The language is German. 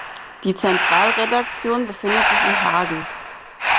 Die Zentralredaktion befindet sich in Hagen.